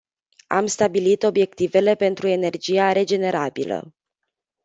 Am stabilit obiectivele pentru energia regenerabilă.